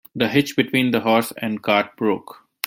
The hitch between the horse and cart broke.